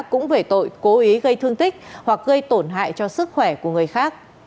cũng về tội cố ý gây thương tích hoặc gây tổn hại cho sức khỏe của người khác